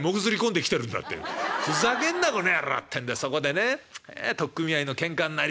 『ふざけんなこの野郎』ってんでそこでね取っ組み合いのけんかになりそうだ。